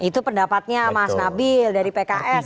itu pendapatnya mas nabil dari pks